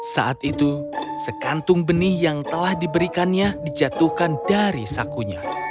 saat itu sekantung benih yang telah diberikannya dijatuhkan dari sakunya